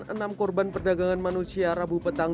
enam korban perdagangan manusia rabu petang